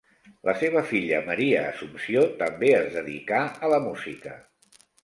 La seva filla Maria Assumpció també es dedicà a la música.